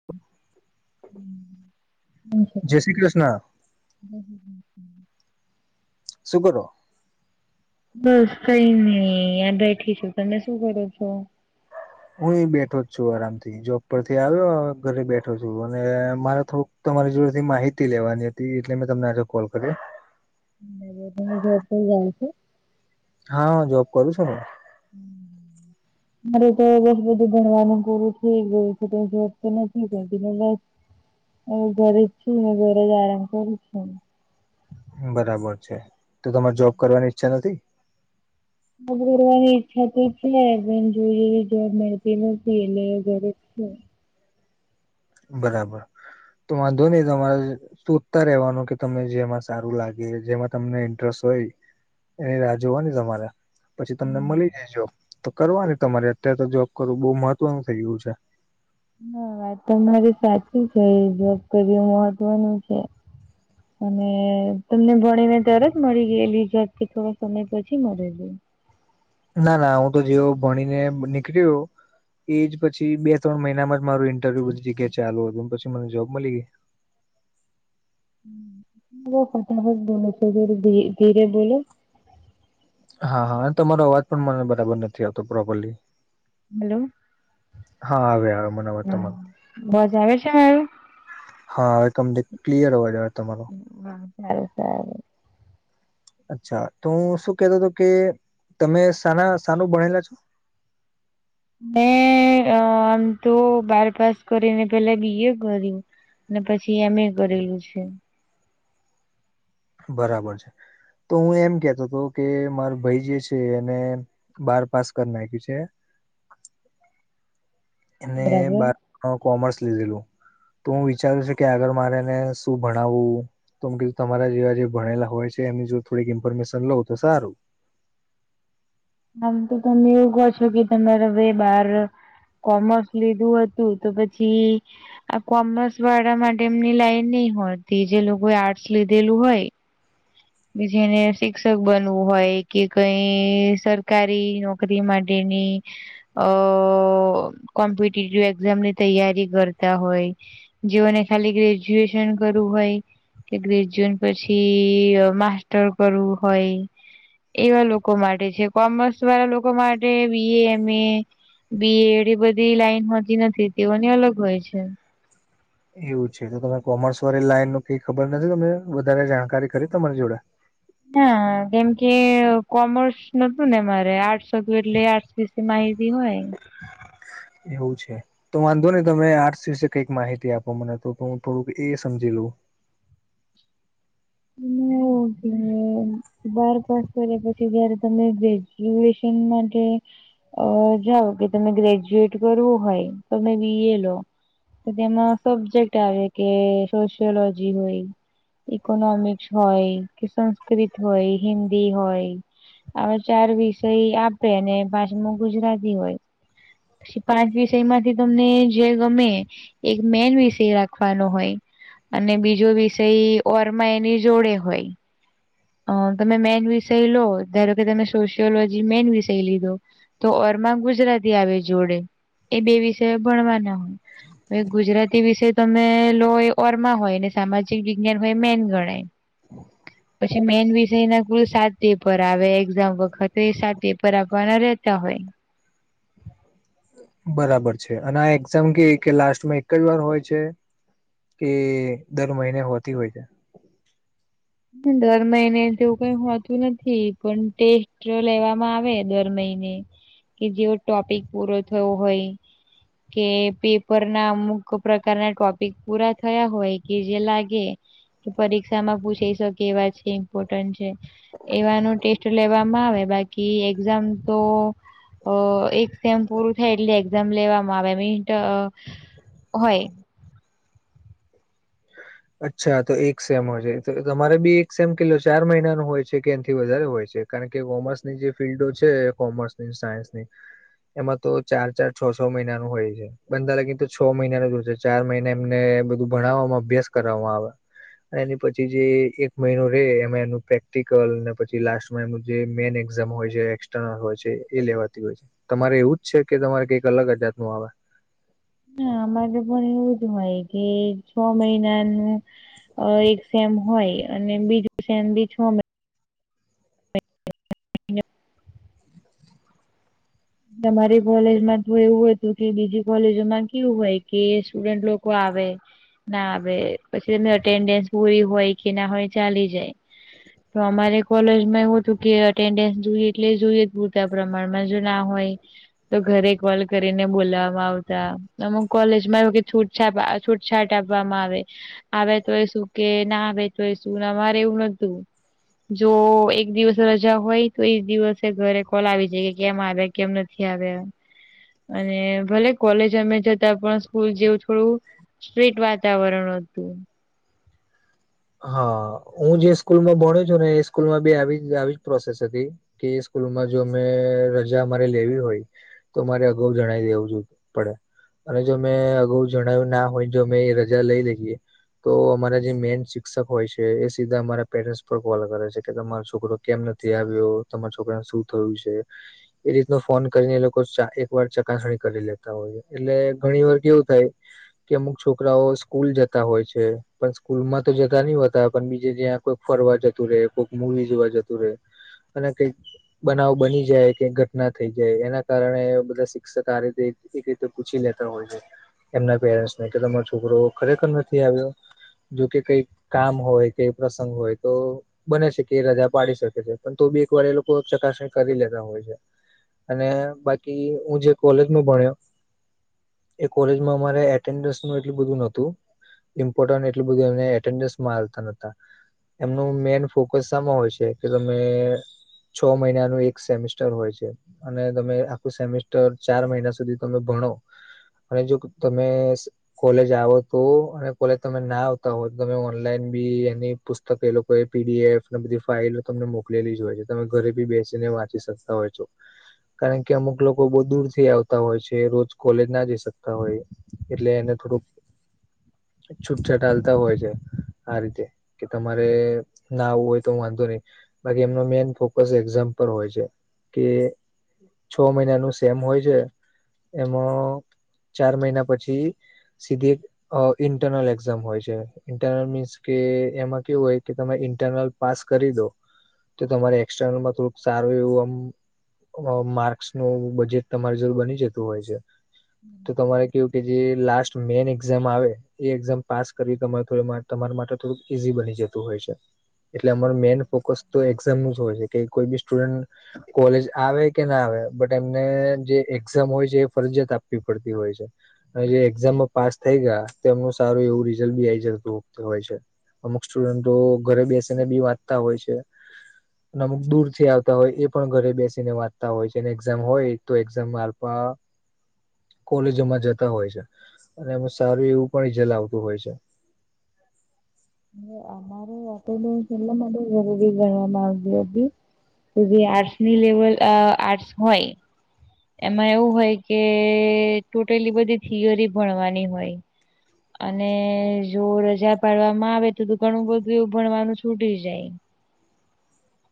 [inaudible] જય શ્રી કૃષ્ણ અ સુ કરો? બસ કઈ નઈ આ્યાં બેઠી છું તમે શું કરો છો? હું એ બેઠો જ છું આરામ થી જોબ પરથી આવ્યો ઘરે બેઠો છું અને મારે થોડુંક તો તમારી જોડે થી માહિતી લેવાની હતી એટલે મેં તમને આજે કોલ કરી ત જુ જઈ છું હા હ જોબ કરું છો હ [inaudible] મારે તો બસ બધું ભણવાનું પૂરું થઈ ગયું છે તો જબ તો નથી કરતી. હ ઘરે છું મે ઘરે જ આરામ કર છું બરાબર છે તો તમારે જોબ કરવાની ઈચ્છા નથી? જોબ કરવાની ઈચ્છા છે પણ જોઈએ એવી જોબ મળતી નથી એટલે ઘરે. હમ બરાબર તો વાંધો નહી તમારા શોધતા રવાનું કે તને જેમાં સારું લાગે જેમાં તમને ઇન્ટરેસ્ટ હોય એની રાહ જોવાની તમારે પછી તમને મળી જાય જોબ તો કરવાની તમારે અત્યારે તો જોબ કરવું બહુ મહત્વનું થઈ ગયું છે હા વાત મારી સાચી છે જોબ કરવુ મહત્વનું છે. અને તમને ભણી ને તરત જ મળી ગયેલી કે થોડા સમય પછી મળેલી? ના ના હું તો જેવ ભણીને નીકલ્યું એજ પછી બે ત્રણ મહિનામાં જ મારું ઇન્ટરવ્યુ બધી જગ્યા ચાલુ હતું પછી મને જોબ મળી ગઈ. [unintelligible] હા હા અને તમારો અવાજ પણ મને બરાબર નથી આવતો પ્રોપરલી હલો હા હવે આવ્યો મને આવાજ હા તમારો. અવાજ આવે છે મારો હા હવે તમને ક્લિયર અવાજ આવે તમારો. હમ [unintelligible] અચ્છા તો હું શું કેતો હતો કે તમે સાના શાનુ ભણેલા છો. મે આમ તો બાર પાસ કરીને પેલા બી એ કર્યું. ને પછી એમ એ કરેલું છે. બરાબર છે તો હું એમ કેતો હતો કે માર ભાઈ જે છે એને બાર પાસ કરી નાખ્યું છે એને બરાબર બાર કોમર્સ લીધેલું તો હું વિચારું છું કે આગળ મારે એને શું ભણાવવું તો કીધું તમારા જેવા જે ભણેલા હોય છે એમની જો થોડીક ઇન્ફોર્મેશન લઉં તો સારું આમ તો તમે એવું કહો છો કે તમારે વે બાર કોમર્સ લીધું હતું તો પછી આ કોમર્સ વાળા માટે એમની લાઈન નહી હોય તે જે લોકોએ આર્ટસ લીધેલું હોય કે જેને શિક્ષક બનવું હોય કે કઈ સરકારી નોકરી માટેની અ કોમ્પિટેટિવ એક્ઝામ ની તૈયારી કરતા હોય. જેઓને ખાલી ગ્રેજ્યુએશન કરવું હોય કે ગ્રેજ્યુઅન પછી માસ્ટર કરવું હોય. એવા લોકો માટે છે કોમર્સ વાળા લોકો માટે બી એ એમ એ બી એડ એ બધી લાઈન હોતી નથી તેઓની અલગ હોય છે. એવું છે તો તમે કોમર્સ વાળી લાઈન નું કઈ ખબર નથી તમને વધારે જાણકારી ખરી તમારી જોડે. ના કેમ કે કોમર્સ નતું ને મારે આર્ટસ હતું એટલે આર્ટસ વિશે માહિતી હોય. એવું છે. તો વાંધો નઈ તમે આર્ટસ વિશે કઈક માહિતી આપો મને તો હું થોડુંક એ સમજી લઉં. [unintelligible] બાર પાસ કર્યા પછી જયારે તમે ગ્રેજ્યુએશન માટે અ જાઓ કે તમે ગ્રેજ્યુએટ કરવું હોય તમે બી એ લો તો તેમાં સબ્જેક્ટ આવે કે સોશિયોલોજી હોય. ઇકોનોમિક્સ હોય કે સંસ્કૃત હોય હિન્દી હોય આ ચાર વિષય આપે ને પાંચમો ગુજરાતી હોય. પછી પાંચ વિષય માંથી તમને જે ગમે એક મેન વિષય રાખવાનો હોય. અને બીજો વિષય ઓરમા એની જોડે હોય. અ તમે મેન વિષય લો ધારો કે તમે સોશિયોલોજી મેન વિષય લીધો. તો ઓરમાં ગુજરાતી આવે જોડે એ બે વિષયો ભણવાના હોય. હવે ગુજરાતી વિષય તમે લો એ ઓરમા હોય ને સામાજિક વિજ્ઞાન હોય મેન ગણાય. પછી મેન વિષયના કુલ સાત પેપર આવે એક્ઝામ વખતે એ સાત પેપર આપવાના રહેતા હોય. બરાબર છે અને આ એક્ઝામ કેવી કે લાસ્ટમાં એક જ વાર હોય છે. કે દર મહિને હોતી હોય છે. દર મહિને તેવું કઈ હોતું નથી પણ ટેસ્ટ જો લેવામાં આવે દર મહિને કે જેવો ટોપિક પૂરો થયો હોય કે પેપર ના અમુક પ્રકારના ટોપિક પૂરા થયા હોય કે જે લાગે કે પરીક્ષા માં પૂછી શકે એવા છે ઇમ્પોર્ટન્ટ છે એવાનું ટેસ્ટ લેવામાં આવે બા કી એક્ઝામ તો અ એક સેમ પૂરું થાય એટલે એક્ઝામ લેવામાં આવે [unintelligible] હોય. [inaudible] અચ્છા તો એક સેમ હોય છે તો તમારે બી એક સેમ કટલો ચાર મહિના નો હોય છે કે એનથી વધારે હોય છે. કારણ કે કોમર્સની જે ફિલ્ડો છે કોમર્સની ને સાયન્સની એમાં તો ચાર ચાર છ છ મહિનાનું હોય છે. બને ત્યા લગીનેતો છ મહિના ન જોશે ચાર મહિના એમને બધું ભણાવવામાં અભ્યાસ કરાવામાં આવે. એની પછી જે એક મહિનો રે એમાં એનું પ્રેક્ટિકલ ને પછી લાસ્ટ એનું જે મેન એઝામ હોય છે એક્સટર્નલ હોય છે એ લેવાતી હોય છે. તમારે એવું જ છે કે તમારે કઈક અલગ જ જાતનું આવે. ના અમારે તો પણ એવું જ હોય કે છ મહિનાનું એક સેમ હોય અને બીજું સેમ બી છ મહિના [inaudible] તમારી કોલેજ માં છે એવું જ. પછી બીજી કોલેજો માં કેવું હોય કે સ્ટુડન્ટ લોકો આવે. ના હવે પછી એની અટેન્ડન્સ પૂરી હોય કે ના હોય ચાલી જાય. તો અમારે કોલેજમાં એવું હતું કે અટેન્ડન્સ જોઈએ એટલે જોઈએ પૂરતા પ્રમાણમાં જો ના હોય તો ઘરે કોલ કરીને બોલવા આવતા, અમુક કોલેજમાં એવું કે છૂટ છાપ આ છૂટછાટ આપવામાં આવે. આવે તોય શું કે, ના આવે તોય શું, અમારે એવું નતું. જો એક દિવસે રજા હોય તો, એજ દિવસે ઘરે કોલ આવી જાય. કેમ આવે કેમ નથી આવે. અને ભલે કોલેજ અમે જતા પણ સ્કૂલ જેવું થોડુ સ્ટ્રીટ વાતાવરણ હતું. હા હું જે સ્કૂલ માં ભણું છું ને, એ સ્કૂલ માં બી આવીજ આવીજ પ્રોસેસ હતી. કે સ્કૂલમાં જો મે રજા મારે લેવી હોય. તો મારે અગાઉ જણાવ દેવું જો પડે. અને જો મેં અગાઉ જણાવ્યું ના હોય, જો મે એ રજા લઈ લેજએ. તો અમારા જે મેન સી ક્ષક હોય છે, એ સીધા અરા પેરેનસ પર કોલ કરે છે, કે તમારો છોકરો કેમ નથી આવ્યો? તમારા છોકરાને શું થયું છે? એ રીતનો ફોન કરીને એ લોકો ચા એક વાર ચકાસણી કરી લેતા હોય, એટલે ઘણી વાર કેવું થાય કે અમુક છોકરાઓ સ્કૂલ જતા હોય છે, પણ સ્કૂલ માં જ તો જતા નહિ હોતા, પણ બીજે જ્યાં કોક ફરવા જતું રહેે, કોઈક મુવી જોવા જતું રહે. અને કઈક. બનાવ બની જાય કે ઘટના થઈ જાય એના કારણે બધા શિક્ષક આ રીતે એ રીતે તો પૂછી લેતા હોય છે. એમના પેરેન્ટ્સને કે તમારો છોકરો ખરેખર નથી આવ્યો? જોકે કઈ કામ હોય, કે પ્રસંગ હોય તો. બને શેકે એ રજા પાડી શકે છે, પણ તો બી એક વાર એ લોકો ચકાસણી કરી લેતા હોય છે. અને બાકી હું જે કોલેજમાં ભણ્યો. એ કોલેજમાં અમારે એટેન્ડન્સ નું એટલું બધું નહતું, ઇમ્પોર્ટન્ટ એટલું બધું એમને ટેન્ડેસ મારતા નહતા, એમનુ મેન ફોકસ શામાં હોય છે કે તમે. છ મહિનાનું એક સેમિસ્ટર હોય છે. અને તમે આખું સેમેિસ્ટર ચાર મહિના સુધી તમે ભણો. અને જો તમે કોલેજ આવો તો, અને કોલેજ તમે ના આવતા હો તમે ઓનલાઈન બી એની પુસ્તક એ લોકોએ પી ડી એફ ને બધી ફાઇલ તમને મો કલેલી જ હોય છે, તમે ઘરે બી બેસીને વાંચી શકતા હોય છો. કારણ કે અમુક લોકો બહુ દૂર થી આવતા હોય છે, રોજ કોલેજ ના જઈ શકતા હોય. એટલે એને થોડુંક છૂટછાટ આલતા હોય છ છે, આ રીતે કે તમારે ના આવવું હોય તો હું વાંધો નઈ. બાકી એમનો મેન ફોકસ એક્ઝામ પર હોય છે, કે છ મહિનાનું સેમ હોય છે એમાં. ચાર મહિના પછી સીધી એક અ ઇન્ટરનલ એક્ઝામ હોય છે. ઇન્ટરનલ મીન્સ કે એમાં કેવું હોય કે તમે ઈન્ટરનલ પાસ કરી દો. તો તમારે એક્સટર્નલમાં થોડુંક સારું એવું આમ અ માર્કસનું બજેટ. તમારી જોર બની જતું હોય છે તો તમારે કેવું કે જે લાસ્ટ. જો મેન એક્ઝામ આવે, એ એક્ઝામ પાસ કરવી તમાર તો એમાં તમારા માટે થોડુંક ઈઝી બની જતું હોય છે. એટલે અમારુ મેઈન ફોકસ તો એક્ઝામ નું જ હોય છે, કે કોઈ બી સ્ટુડન્ટ. કોલેજ આવે કે ના આવે બટ એમને જે એક્ઝામ હોય છે એ ફરજિયાત આપવી પડતી હોય છે. હ જે એક્ઝામમાં પાસ થઈ ગયા તો એમનું સારું એવું રિઝલ્ટ બી આઈ જ. હોય છે, અમુક સ્ટુડન્ટો ઘરે બેસીને બી વાંચતા હોય છે. ને અમુક દૂર થી આવતા હોય એ પણ ઘરે બેસી ને વાંચતા હોય છે, ને એક્ઝામ હોય તો એક્ઝામ આલ્પા [inaudible] કોલેજોમાં જતા હોય છે, અને એમાં સારું એવું પણ ઇઝલ આવતું હોય છે અમારો છેલાધ જરૂરી ગણવા માંગતી હતી તો જે આર્ટસ ની લેવલ અ આર્ટસ હોય. એમાં એવું હોય કે ટોટલી બધી થિયરી ભણવાની હોય. અને જો રજા પાડવામાં આવે તો તો ઘણું બધું એવું ભણવાનું છૂટી જાય.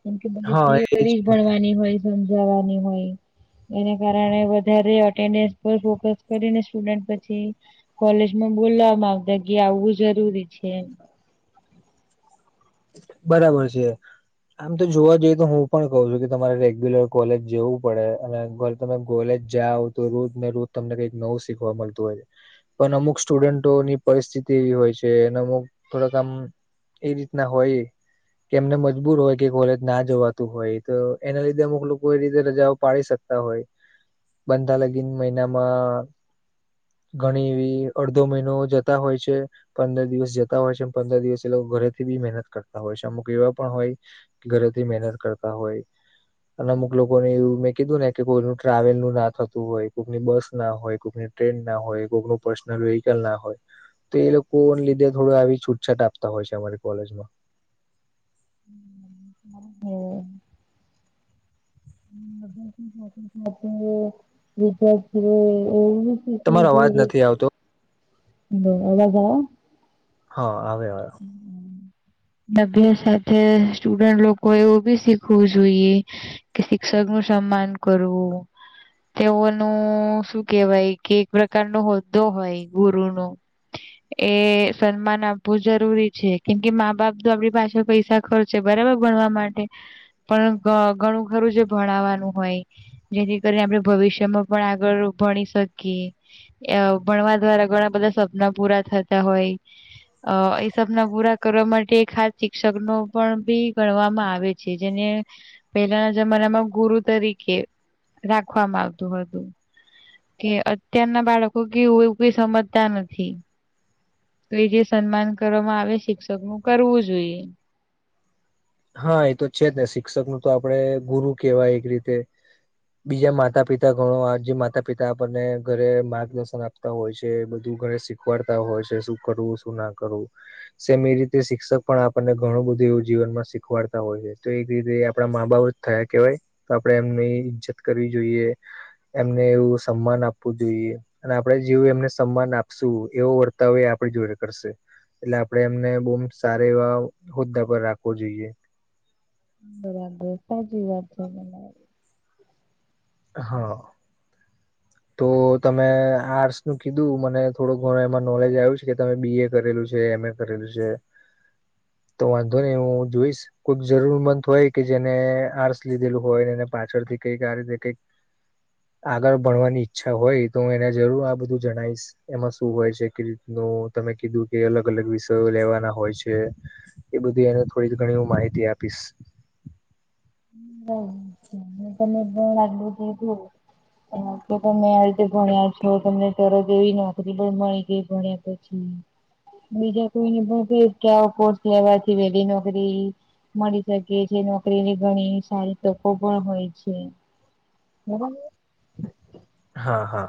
કેમ કે બઘી હા એ જ થિયરી ભણવાની હોય સમજાવાની હોય. એને કારણે વધારે એટેન્ડન્સ પર ફોકસ કરીને સ્ટુડેન્ટ પછી. કોલેજમાં બોલવામાં આવતા કે આવવું જરૂરી છે એમ. બરાબર છે આમ તો જોવા જઈએ તો હું પણ કઉ છું કે તમારે રેગ્યુલર કોલેજ જવું પડે અને. તમે કોલેજ જાઓ તો રોજ ને રોજ તમને કઈક નવું શીખવા મળતું હોય છે. પણ અમુક સ્ટુડન્ટોની પરિસ્થિતિ એવી હોય છે અને અમુક થોડાક આમ એ ના હોય કે એમને મજબૂર હોય કે કોલેજ ના જોવાતું હોય તો એના લીધે અમુક લોકો એ રીતે રજાઓ પાડી શકે. શકતા હોય બંધા લગીન મહિનામાં. ઘણી એવી અડધો મહિનો જતા હોય છે. પંદર દિવસ જતા હોય છે પંદર દિવસ એ લોકો ઘરે. થી બી મહેનત કરતા હોય અમુક એવા પણ હોય કે ઘરેથી મહેનત કરતા હોય. અને અમુક લોકો ને એવું મેં કીધું ને કે કોઈનું ટ્રાવેલ નું ના થતું હોય કોઈકની બસ ના હોય કોઈકની. ટ્રેન ના હોય કોઈક ન પર્સનલ વેહકલ ના હોય. તો એ લોકો લીધે થોડું આવી છૂટછાટ આપતા હોય છે અમારી કોલેજમાં. હમ વિીજચવે ઓ તમારો અવાજ [inaudible] નથી આવતો બબ [inaudible] હા હવે આયો [inaudible] અભ્યાસ સાથે સ્ટુડન્ટ લોકો એવું બી શીખવું જોઈએ. કે શિક્ષક નું સન્માન કરવું. તેઓનું શું કેવાય કે એક પ્રકાર નો હોદ્દો હોય ગુરુ નો એ સન્માન આપવું જરૂરી છે કેમ કે મા બાપ તો આપડી પાસે પૈસા ખર્ચ બરાબર ભણવા માટે પણ ઘણું ખરું છે ભણવાનું હોય જેથી કરીને આપણે ભવિષ્યમાં પણ આગળ ભણી શકીએ. અ ભણવા દ્વારા ઘણા બધા સપના પૂરા થતા હોય. અ એ સપના પૂરા કરવા માટે ખાસ શિક્ષક નો પણ ભી ગણવામાં આવે છે. છે જેને પહેલાના જમાનામાં ગુરુ. તરીકે રાખવામાં આવતું હતું. કે અત્યારના બાળકો કે એવું કોઈ સમજતા નથી‌. તો એ જે સન્માન કરવામાં આવે શિક્ષક નું કરવું જોઈએ. હા એ તો છે જ ને શિક્ષક નું તો આપડણે ગુરુ કેવાય એક રીતે. બીજા માતા પિતા ઘણો આ જે માતા પિતા આપણને ઘરે માર્ગદર્શન આપ. તા હોય છે બધું ઘરે શીખવાડતા હોય છે શું કરવું શું ના કરવું. સેમ એ રીતે શિક્ષક પણ આપણને ઘણું બધું એવું જીવનમાં. શીખવાડતા હોય છે તો એક રીતે આપડા મા બાપ થયા કેવાય. તો આપડે એમને ઈજ્જત કરવી જોઈએ એમને એવું સન્માન આપવું જોઈએ અને આપણે જેવું એમને સન્માન આપશું એવો વર્તાવ એ આપડે જોડે કરશે એટલે આપડે એમને બહુ સારા એવા હોદ્દા પર રાખવો જોઈએ [unintelligible] હા [unintelligible] તો તમે આર્ટસ નું કીધું મને થોડોક ઘણો એમાં નોલેજ આવ્યું છે કે તમે બી એ કરેલું છે એમ એ. કરેલું છે [unintelligible] તો વાંધો નહી હું જોઈશ. કોઈક જરૂર મંત હોય કે જેને આર્સ લીધેલું હોયને એને પાછળથી કઈક આ રીતે કઈક. આગળ ભણવાની ઈચ્છા હોય તો હું એને જરૂર આ બધું જણાવશ એમાં શું હોય છે કે રીતનું તમે કીધું કે અલગ અલગ વિષયો લેવાના હોય છે. એ બધી એને થોડી ઘણી હું માહિતી આપીશ [unintelligible] હ તો તમે આ રીતે ભણ્યા છો તમને તરત એવી નોકરી પણ ભી મળી ગઈ ભણ્યા તો બીજા કોઈને પણ કઈસ કે આવો કોર્સ લેવાથી વેલી નોકરી મળી શકીએ છે નોકરીને ઘણી સારી તકો પણ હોય છે બરાબર હા હા